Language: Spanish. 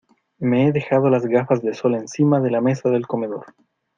Me he dejado las gafas de sol encima de la mesa del comedor.